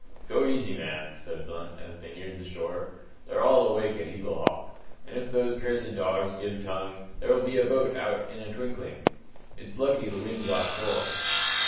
"Go easy, man," said Blunt, as they neared the shore. "They're all awake at Eaglehawk; and if those cursed dogs give tongue there'll be a boat out in a twinkling. It's lucky the wind's off shore."